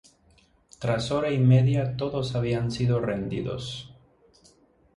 Tras hora y media todos habían sido rendidos.